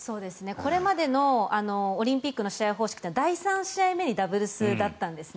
これまでのオリンピックの試合方式っていうのは第３試合目にダブルスだったんですね。